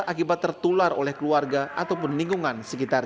akibat tertular oleh keluarga atau peningkungan sekitar